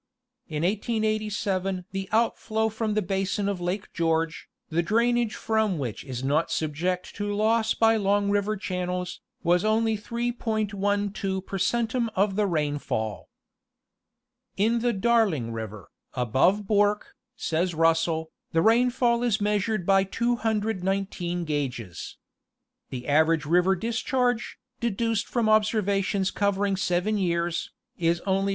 In 1887, the outflow from the basin of Lake George, the drainage from which is not subject to loss by long river channels, was only 3.12 per centum of the rainfall. In the Darling river, above Bourke, says Russell, the rainfall is measured by 219 gauges. The average river discharge, deduced from observations covering seven years, is only 1.